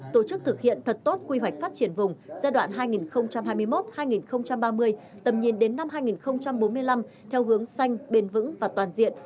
tổ chức thực hiện thật tốt quy hoạch phát triển vùng giai đoạn hai nghìn hai mươi một hai nghìn ba mươi tầm nhìn đến năm hai nghìn bốn mươi năm theo hướng xanh bền vững và toàn diện